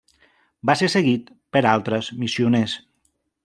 Va ser seguit per altres missioners.